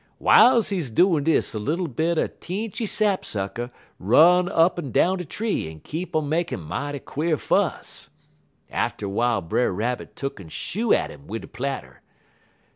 "W'iles he doin' dis a little bit er teenchy sap sucker run up'n down de tree en keep on makin' mighty quare fuss. Atter w'ile Brer Rabbit tuk'n shoo at 'im wid de platter.